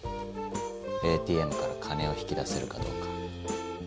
ＡＴＭから金を引き出せるかどうか。